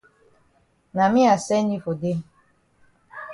Na me I send yi for dey.